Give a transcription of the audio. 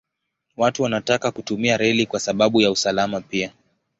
Watu wanataka kutumia reli kwa sababu ya usalama pia.